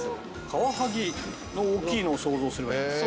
カワハギの大きいのを想像すればいいですか？